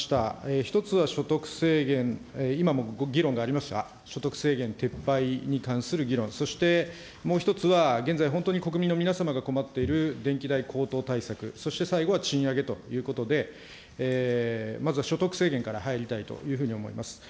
１つは所得制限、今も議論がありました、所得制限撤廃に関する議論、そしてもう１つは、現在、本当に国民の皆様が困っている電気代高騰対策、そして最後は賃上げということで、まずは所得制限から入りたいというふうに思います。